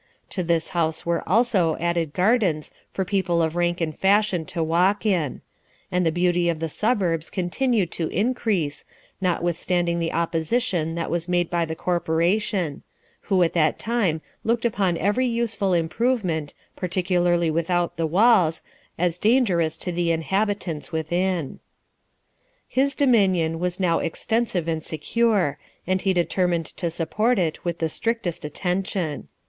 To this house were also added gardens for people of rank and fashion to walk in ; and the beauty of the suburbs continued to increase, notwithstanding the opposition that was made by the corporation ; who at that time looked upon every useful improvement, particularly without the walls, as dangerous to the in habitants within. His dominion was now extensive and secure, and he determined to support it with the strictest attention.